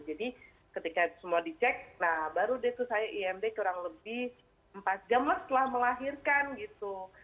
jadi ketika semua dicek nah baru deh itu saya imd kurang lebih empat jam lah setelah melahirkan gitu